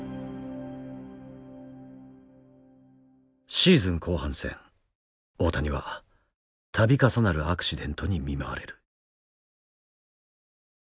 シーズン後半戦大谷は度重なるアクシデントに見舞われる。